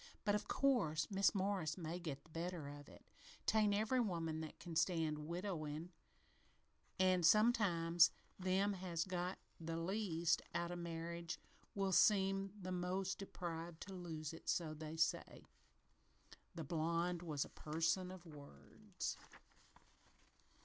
But, of course, Mis' Morris may get the better of it. 'Tain' every woman that can stand widowin', an' sometimes them that has got the least out of marriage will seem the most deprived to lose it so they say." The blonde was a person of words.